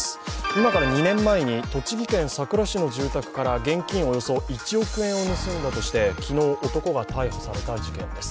今から２年前に栃木県さくら市の住宅から現金およそ１億円を盗んだとして昨日、男が逮捕された事件です。